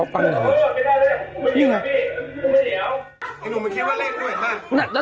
พี่ไหน